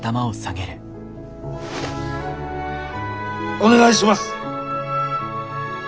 お願いします。